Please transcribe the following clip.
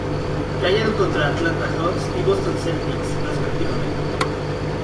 Cayeron contra Atlanta Hawks y Boston Celtics respectivamente.